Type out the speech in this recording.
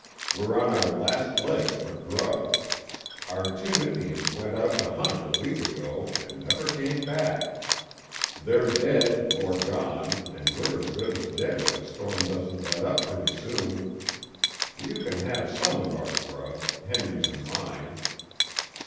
We're on our last legs for grub. Our two Indians went out to hunt a week ago and never came back. They're dead, or gone, and we're as good as dead if the storm doesn't let up pretty soon. You can have some of our grub Henry's and mine."